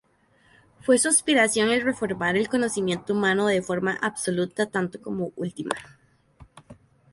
Fue su aspiración el reformar el conocimiento humano de forma "absoluta, tanto como última".